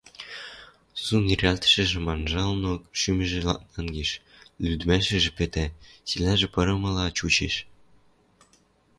Сусун йӹрӓлтӹмӹжӹм анжалынок, шӱмжӹ ладнангеш, лӱдмӓшӹжӹ пӹтӓ, силажы пырымыла чучеш.